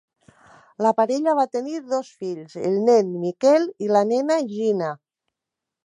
La parella va tenir dos fills: el nen, Miquel, i la nena, Gina.